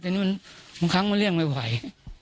ทีนี้บางครั้งไม่เลี่ยงไม่ไหว